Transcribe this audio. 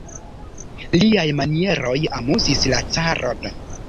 Liaj manieroj amuzis la caron.